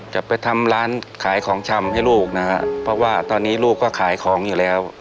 จะไปทำร้านขายของชำให้ลูกนะฮะเพราะว่าตอนนี้ลูกก็ขายของอยู่แล้ว